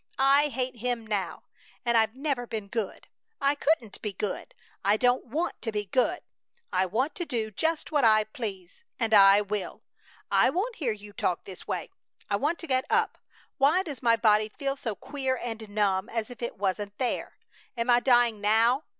I hate Him now! And I've never been good! I couldn't be good! I don't want to be good! I want to do just what I please! And I will! I won't hear you talk this way! I want to get up! Why does my body feel so queer and numb, as if it wasn't there? Am I dying now?